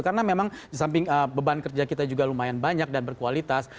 karena memang samping beban kerja kita juga lumayan banyak dan berkualitas